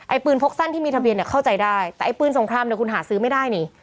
ปืนพกสั้นที่มีทะเบียนเนี่ยเข้าใจได้แต่ไอ้ปืนสงครามเนี่ยคุณหาซื้อไม่ได้นี่